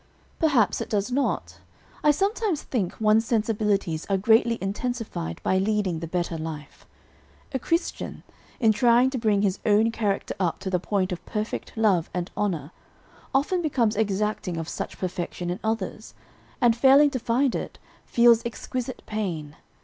"Perhaps it does not. I sometimes think one's sensibilities are greatly intensified by leading the better life. A Christian, in trying to bring his own character up to the point of perfect love and honor, often becomes exacting of such perfection in others, and failing to find it, feels exquisite pain.